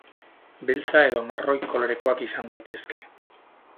Beltza edo marroi kolorekoak izan daitezke.